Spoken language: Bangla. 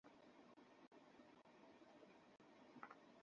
কারো যদি কিছুই হারানোর ভয় না থাকে সে অত্যন্ত বিপজ্জনক হয়ে ওঠে।